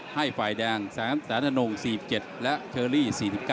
ให้ฝ่ายแดงแสนธนง๔๗และเชอรี่๔๙